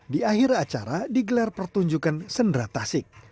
di akhir acara digelar pertunjukan sendera tasik